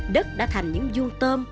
đất đã thành những vuông tôm